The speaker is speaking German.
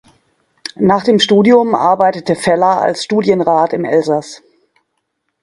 Nach dem Studium arbeitete Feller als Studienrat im Elsass.